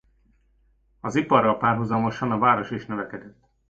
Az iparral párhuzamosan a város is növekedett.